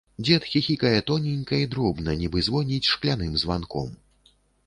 Дзед хіхікае тоненька і дробна, нібы звоніць шкляным званком.